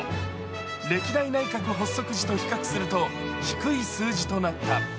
歴代内閣発足時と比較すると低い数字となった。